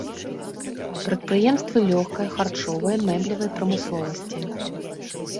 Прадпрыемствы лёгкай, харчовай, мэблевай прамысловасці.